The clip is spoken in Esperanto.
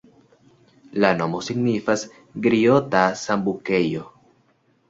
La nomo signifas griota-sambukejo.